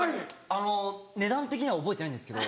あの値段的には覚えてないんですけど。